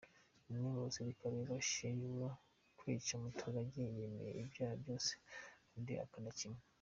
Umwe mu basirikare bashinjwa kwica umuturage yemeye ibyaha byose undi ahakana kimwe.